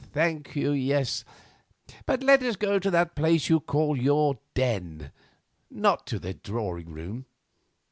"Thank you, yes, but let us go to that place you call your den, not to the drawing room.